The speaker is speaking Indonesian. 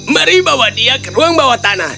mari bawa dia ke ruang bawah tanah